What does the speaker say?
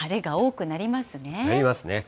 なりますね。